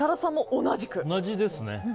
同じですね。